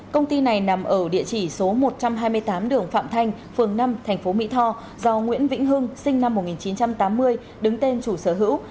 công ty này nằm ở địa chỉ số một trăm hai mươi tám đường phạm thanh phường năm tp mỹ tho do nguyễn vĩnh hưng sinh năm một nghìn chín trăm tám mươi đứng tên chủ sở hữu